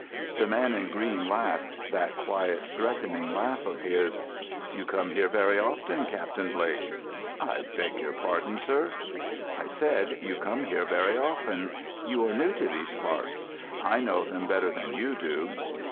The man in green laughed, that quiet, threatening laugh of his. "You come here very often, Captain Blake." "I beg your pardon, sir." "I said, you come here very often. You are new to these parts; I know them better than you do."